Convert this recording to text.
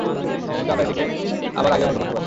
কিন্তু আমরা এটিকে আবার আগের মত করতে পারি।